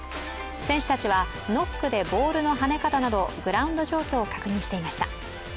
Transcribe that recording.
選手たちはノックでボールのはね方などグラウンド状況を確認していました。